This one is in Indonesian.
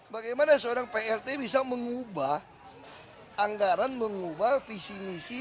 bagaimana seorang prt bisa mengubah anggaran mengubah visi misi